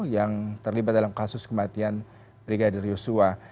yang terlibat dalam kasus kematian brigadir yosua